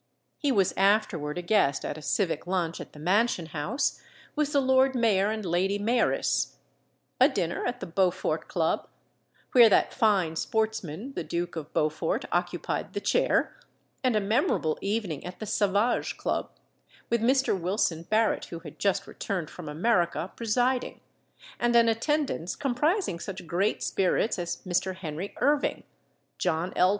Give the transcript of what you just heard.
He was afterward a guest at a civic lunch at the Mansion House, with the Lord Mayor and Lady Mayoress; a dinner at the Beaufort Club, where that fine sportsman the Duke of Beaufort occupied the chair; and a memorable evening at the Savage Club, with Mr. Wilson Barrett (who had just returned from America) presiding, and an attendance comprising such great spirits as Mr. Henry Irving, John L.